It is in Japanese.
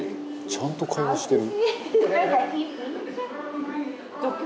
「ちゃんと会話してる」